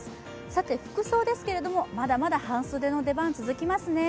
さて、服装ですけれどもまだまだ半袖の出番、続きますね。